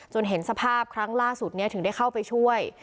เห็นสภาพครั้งล่าสุดนี้ถึงได้เข้าไปช่วย